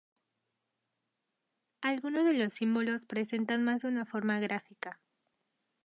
Algunos de los símbolos presentan más de una forma gráfica.